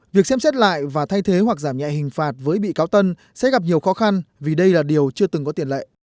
việc xem xét lại và thay thế hoặc giảm nhẹ hình phạt với bị cáo tân sẽ gặp nhiều khó khăn vì đây là điều chưa từng có tiền lệ